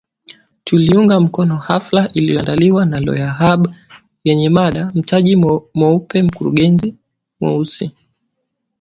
Tuliunga mkono hafla iliyoandaliwa na Lawyer’s Hub, yenye mada Mtaji Mweupe, Wakurugenzi Weusi.